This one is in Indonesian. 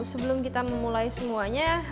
sebelum kita memulai semuanya